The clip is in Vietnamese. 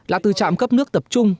là từ chạm cấp nước tập trung